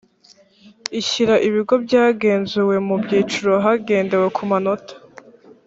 ishyira ibigo byagenzuwe mu byiciro hagendewe ku manota